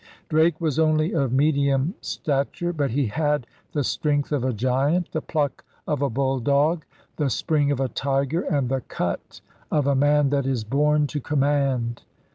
Drake was only of medium stature. But he had the strength of a giant, the pluck of a bulldog, the spring of a tiger, and the cut of a man that is born to command.